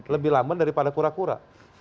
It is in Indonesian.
lebih lamban daripada kura kura